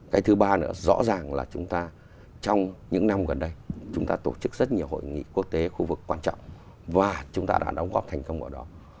cái thứ ba nữa rõ ràng là chúng ta trong những năm gần đây chúng ta tổ chức rất nhiều hội nghị quốc tế khu vực quan trọng và chúng ta đã đóng góp thành công vào đó